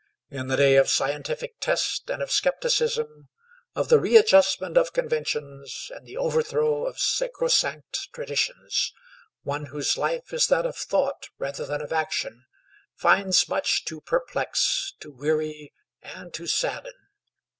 In the day of scientific test and of skepticism, of the readjustment of conventions and the overthrow of sacrosanct traditions, one whose life is that of thought rather than of action finds much to perplex, to weary, and to sadden.